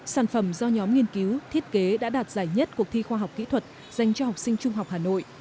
sản phẩm do nhóm nghiên cứu thiết kế đã đạt giải nhất cuộc thi khoa học kỹ thuật dành cho học sinh trung học hà nội